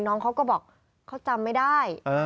น้องเขาก็บอกเขาจำไม่ได้